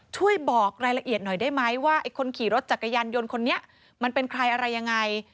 ช่วยบอกรายละเอียดหน่อยได้ไหมว่าไอ้คนขี่รถจักรยานยนต์คนนี้มันเป็นใครอะไรยังไง